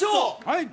はい。